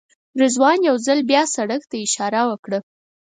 رضوان یو ځل بیا سړک ته اشاره وکړه.